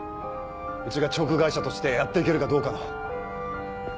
うちがチョーク会社としてやっていけるかどうかの。